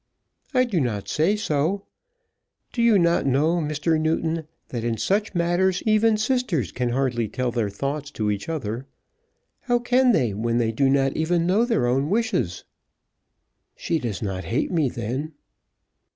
"I do not say so. Do you not know, Mr. Newton, that in such matters even sisters can hardly tell their thoughts to each other? How can they when they do not even know their own wishes?" "She does not hate me then?"